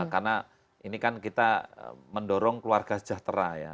karena ini kan kita mendorong keluarga sejahtera ya